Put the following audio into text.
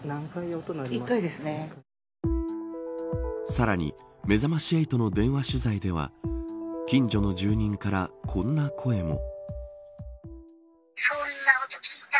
さらにめざまし８の電話取材では近所の住人からこんな声も。